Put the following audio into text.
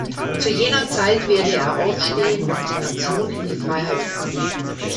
Zu jener Zeit werde er aufstehen und die Nation in die Freiheit führen.